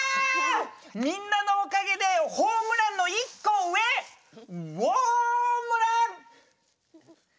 みんなのおかげでホームランの一個上ウオームラン！